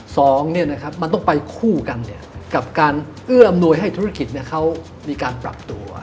สองมันต้องไปคู่กันกับการเอื้ออำนวยให้ธุรกิจเขามีการปรับตัว